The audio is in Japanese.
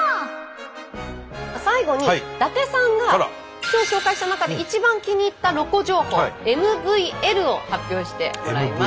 最後に伊達さんが今日紹介した中で一番気に入ったロコ情報ＭＶＬを発表してもらいます。